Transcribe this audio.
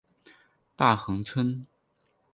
大衡村。